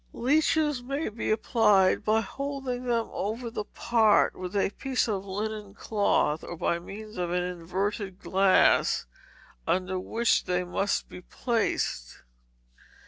Leeches may be applied by holding them over the part with a piece of linen cloth, or by means of an inverted glass, under which they must be placed.